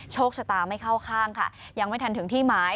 โชคชะตาไม่เข้าข้างค่ะยังไม่ทันถึงที่หมาย